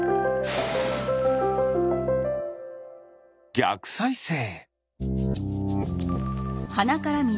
ぎゃくさいせい。